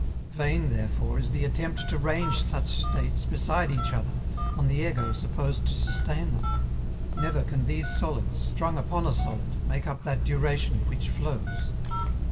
Vain, therefore, is the attempt to range such states beside each other on the ego supposed to sustain them: never can these solids strung upon a solid make up that duration which flows.